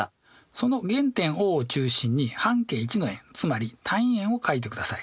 その原点Ｏを中心に半径１の円つまり単位円を書いてください。